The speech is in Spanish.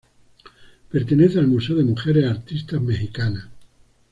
Pertenece al Museo de Mujeres Artistas Mexicanas.